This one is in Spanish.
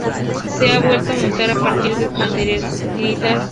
Se ha vuelto a montar a partir del material sin editar.